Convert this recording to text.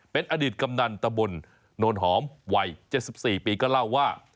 เป็นอดีตกำนันตะบนโนนหอมวัย๗๔ปีก็เล่าว่า